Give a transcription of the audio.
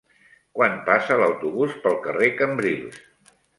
Quan passa l'autobús pel carrer Cambrils?